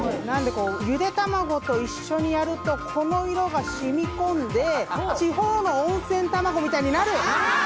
ゆで卵と一緒にやると、この色が染み込んで、地方の温泉卵みたいになる。